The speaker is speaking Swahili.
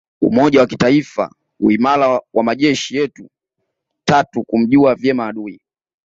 Umoja wa kitaifa uimara wa majeshi yetu tatu kumjua vyema adui